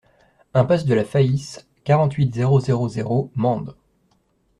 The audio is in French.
Impasse de la Faïsse, quarante-huit, zéro zéro zéro Mende